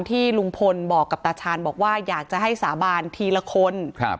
ที่ลุงพลบอกกับตาชาญบอกว่าอยากจะให้สาบานทีละคน